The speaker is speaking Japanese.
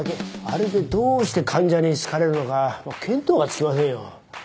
あれでどうして患者に好かれるのか見当がつきませんよ。